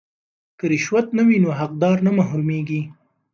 که رشوت نه وي نو حقدار نه محرومیږي.